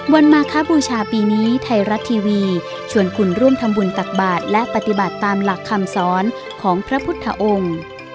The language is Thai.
มาคบูชาปีนี้ไทยรัฐทีวีชวนคุณร่วมทำบุญตักบาทและปฏิบัติตามหลักคำสอนของพระพุทธองค์